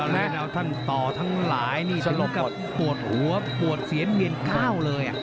แล้วท่านต่อทั้งหลายนี่สลบปวดหัวปวดเสียนเมียนก้าวเลย